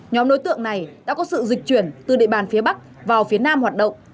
nhóm đối tượng này đã có sự dịch chuyển từ địa bàn phía bắc vào phía nam hoạt động